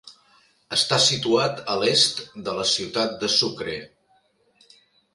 Està situat a l'est de la ciutat de Sucre.